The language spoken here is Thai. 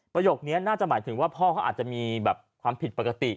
ประโยคนี้น่าจะหมายถึงว่าพ่อเขาอาจจะมีแบบความผิดปกติ